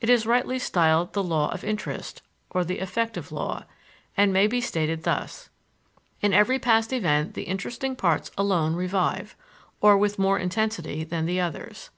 It is rightly styled the "law of interest" or the affective law, and may be stated thus: In every past event the interesting parts alone revive, or with more intensity than the others.